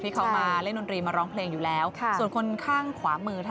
อีกเส้นปลวกรัวไปฟังราบ